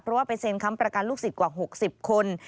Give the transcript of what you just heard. เพราะว่าไปเซ็นค้ำประกันลูกศิษย์กว่า๖๐คน